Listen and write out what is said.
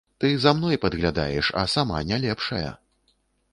Ты за мной падглядаеш, а сама не лепшая.